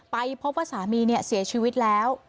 ไปพบว่าสามีเสียชีวิตแล้ว